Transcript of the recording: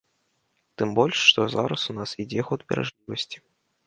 Тым больш, што зараз у нас ідзе год беражлівасці.